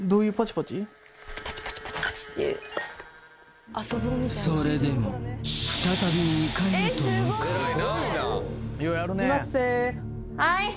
パチパチパチパチっていうそれでも再び２階へと向かういまっせはい